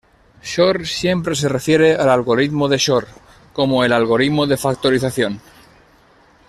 Shor siempre se refiere al algoritmo de Shor como "el algoritmo de factorización.